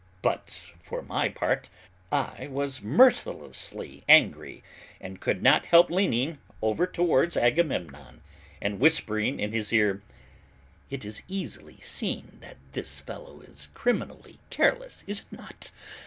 But for my part, I was mercilessly angry and could not help leaning over towards Agamemnon and whispering in his ear, "It is easily seen that this fellow is criminally careless, is it not?